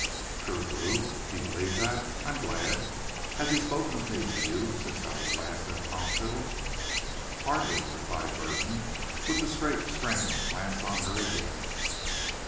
"True blue! He believed that. I'm glad.... Has he spoken of me to you since I was last at the hospital?" "Hardly," replied Burton, with the straight, strange glance on her again.